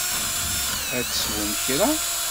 Ad teswem kra?